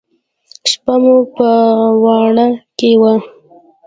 شپه مو په واڼه کښې وه.